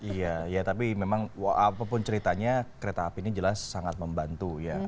iya ya tapi memang apapun ceritanya kereta api ini jelas sangat membantu ya